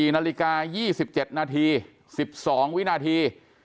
๔นาฬิกา๒๗นาที๑๒วินาที